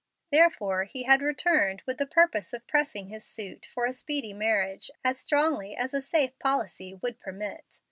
Therefore he had returned with the purpose of pressing his suit for a speedy marriage as strongly as a safe policy would permit.